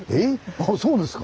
あそうですか。